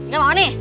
gak mau nih